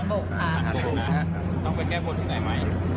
ต้องไปแก้บนที่ไหนไหม